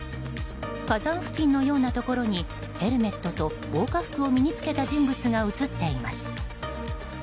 火山付近のようなところにヘルメットと防火服を身に付けた人物が写っています。